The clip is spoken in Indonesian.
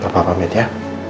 bapak pamit ya